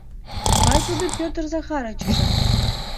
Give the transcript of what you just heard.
— Могай тудо Пӧтыр Захарыч эше?